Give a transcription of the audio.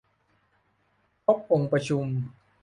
ครบองค์ประชุม